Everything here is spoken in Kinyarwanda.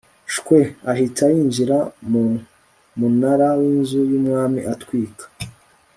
shwe ahita yinjira mu munara w inzu y umwami atwika